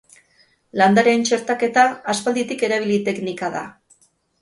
Landareen txertaketa aspalditik erabili teknika da.